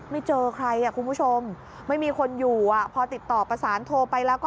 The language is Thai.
ไม่เจอใครอ่ะคุณผู้ชมไม่มีคนอยู่พอติดต่อประสานโทรไปแล้วก็